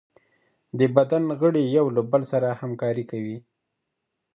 د بدن غړي یو له بل سره همکاري کوي.